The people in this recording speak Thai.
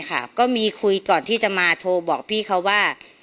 อ่าไม่ค่ะก็มีคุยก่อนที่จะมาโทรบอกพี่เขาว่า